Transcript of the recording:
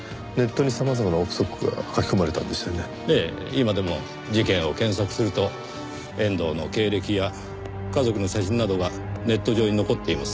今でも事件を検索すると遠藤の経歴や家族の写真などがネット上に残っています。